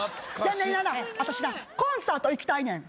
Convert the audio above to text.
私なコンサート行きたいねん。